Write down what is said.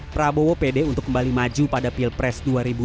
prabowo pede untuk kembali maju pada pilpres dua ribu dua puluh